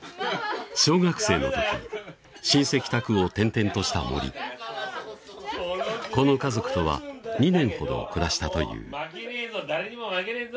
小学生の時親戚宅を転々とした森この家族とは２年ほど暮らしたという負けねえぞ